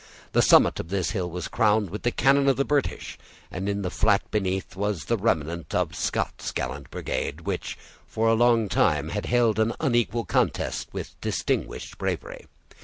The summit of this hill was crowned with the cannon of the British, and in the flat beneath was the remnant of Scott's gallant brigade, which for a long time had held an unequal contest with distinguished bravery.